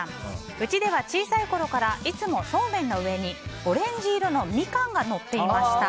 うちでは小さいころからいつもそうめんの上にオレンジ色のミカンがのっていました。